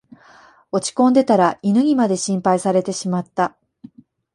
落ちこんでたら犬にまで心配されてしまった